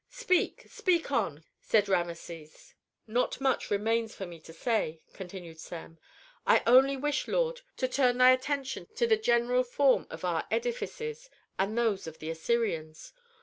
"Speak speak on!" said Rameses. "Not much remains for me to say," continued Sem. "I only wish, lord, to turn thy attention to the general form of our edifices, and those of the Assyrians.